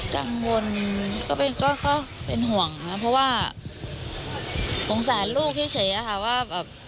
กังวลก็เป็นห่วงนะเพราะว่าโขงสารลูกเฉยอะค่ะว่า